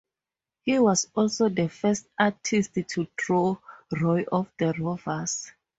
He was also the first artist to draw "Roy of the Rovers".